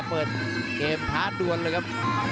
เปิดเกมท้าด่วนเลยครับ